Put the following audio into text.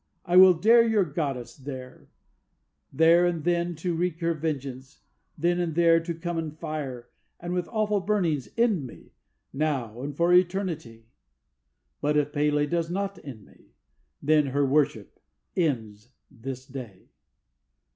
I will dare your goddess there, There and then to wreak her vengeance, then and there to come in fire, And with awful burnings end me, now and for eternity; But if P├®l├® does not end me, then her worship ends this day."